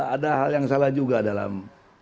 ada hal yang salah juga dalam